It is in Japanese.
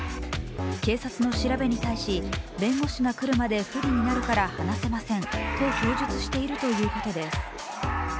警察の調べに対し弁護士が来るまで不利になるから話せませんと供述しているということです。